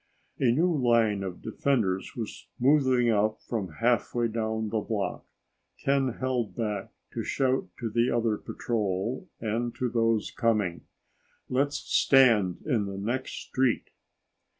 A new line of defenders was moving up from halfway down the block. Ken held back to shout to the other patrol and to those coming, "Let's stand in the next street!"